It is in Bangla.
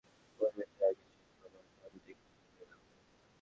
পরিবেশনের আগেই সব খাবার যান্ত্রিকভাবে চিবিয়ে দেওয়া হবে।